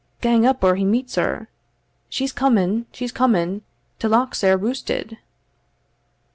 gang up or he meets her. She's coming she's coming ta lock's sair roosted."